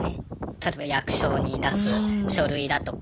例えば役所に出す書類だとか